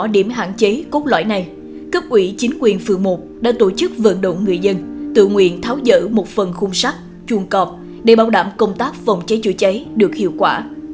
đảng quỹ chính quyền phường một đã tổ chức vận động người dân tự nguyện tháo dỡ một phần khung sắt chuồng cọp để bảo đảm công tác phòng cháy chữa cháy được hiệu quả